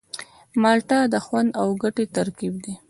مالټه د خوند او ګټې ترکیب دی.